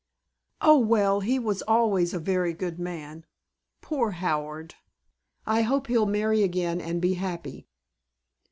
"Oh! Well, he was always a very good man. Poor Howard! I hope he'll marry again and be happy."